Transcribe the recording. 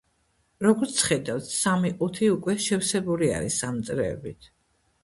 როგორც ხედავთ, სამი ყუთი უკვე შევსებული არის ამ წრეებით.